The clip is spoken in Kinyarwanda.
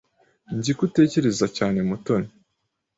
Nzi ko utekereza cyane Mutoni.